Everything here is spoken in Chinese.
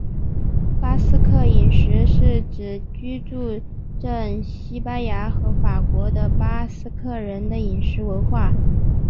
巴斯克饮食是指居住证西班牙和法国的巴斯克人的饮食文化。